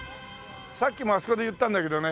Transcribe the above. さっきもあそこで言ったんだけどね